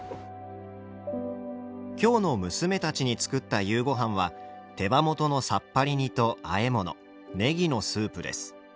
「今日の娘たちに作った夕ご飯は手羽元のさっぱり煮と和え物ネギのスープです。